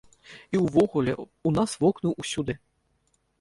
І ўвогуле, у нас вокны ўсюды.